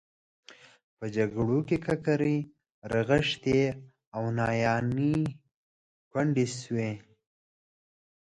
په جګړو کې ککرۍ رغښتې او ناویانې کونډې شوې.